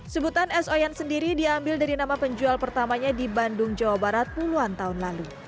sebutan es oyen sendiri diambil dari nama penjual pertamanya di bandung jawa barat puluhan tahun lalu